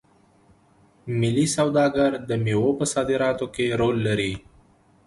ملي سوداګر د میوو په صادراتو کې رول لري.